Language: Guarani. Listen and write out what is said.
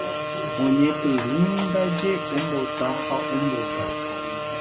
Oñepyrũndaje ombota ha ombota.